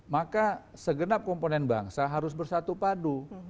maka segenap komponen bangsa harus bersatu padu